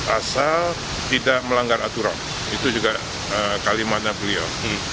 asal tidak melanggar aturan itu juga kalimatnya beliau